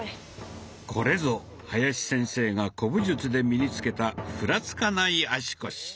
これぞ林先生が古武術で身につけたふらつかない足腰。